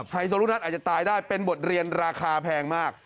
ไฮโซลูกนัทอาจจะตายได้เป็นบทเรียนราคาแพงมาก